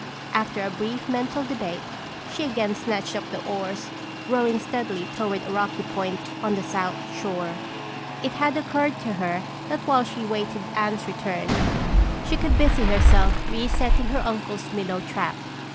After a brief mental debate, she again snatched up the oars, rowing steadily toward a rocky point on the south shore. It had occurred to her that while she awaited Anne's return she could busy herself resetting her uncle's minnow trap.